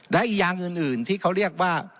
และอีกอย่างอื่นที่เขาเรียกว่า